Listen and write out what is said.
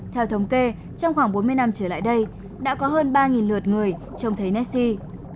theo thống kê trong khoảng bốn mươi năm trở lại đây đã có hơn ba lượt người trông thấy nét si